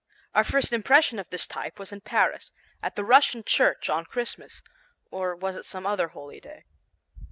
Our first impression of this type was in Paris, at the Russian Church on Christmas (or was it some other holy day?)